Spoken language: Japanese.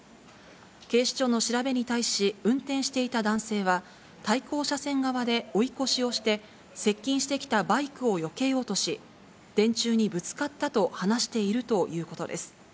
警視庁の調べに対し、運転していた男性は、対向車線側で追い越しをして、接近してきたバイクをよけようとし、電柱にぶつかったと話しているということです。